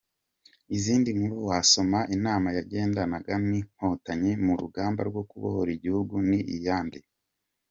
Izindi nkuru wasoma: Intama yagendanaga n’Inkotanyi mu rugamba rwo kubohora igihugu ni iyande?.